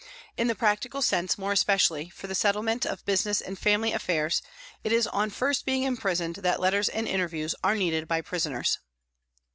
In the practical sense more especially, for the settlement of business and family affairs, it is on first being imprisoned that letters and interviews are needed by prisoners.